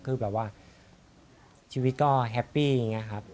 คือแบบว่าชีวิตก็แฮปปี้อย่างนี้ครับ